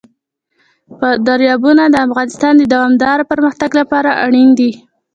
دریابونه د افغانستان د دوامداره پرمختګ لپاره اړین دي.